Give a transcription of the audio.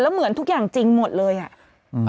เหมือนทุกอย่างจริงหมดเลยอ่ะ